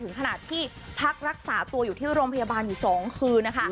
ขนาดที่พักรักษาตัวอยู่ที่โรงพยาบาลอยู่๒คืนนะคะ